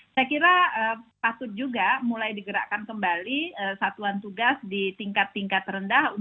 saya kira patut juga mulai digerakkan kembali satuan tugas di tingkat tingkat rendah